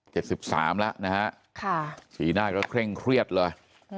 สามแล้วนะฮะค่ะสีหน้าก็เคร่งเครียดเลย